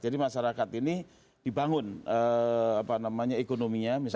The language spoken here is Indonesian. jadi masyarakat ini dibangun apa namanya ekonominya